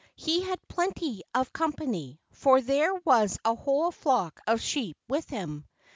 He had plenty of company, for there was a whole flock of sheep with him.